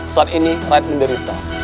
saat ini raih menderita